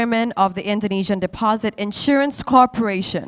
pemerintah komersil deposit indonesia